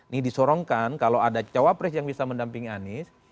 nih disorongkan kalau ada cowok pres yang bisa mendampingi anis